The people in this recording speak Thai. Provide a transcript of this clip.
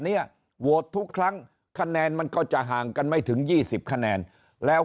เนี่ยโหวตทุกครั้งคะแนนมันก็จะห่างกันไม่ถึง๒๐คะแนนแล้ว